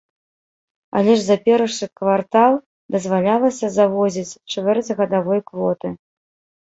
Але ж за першы квартал дазвалялася завозіць чвэрць гадавой квоты.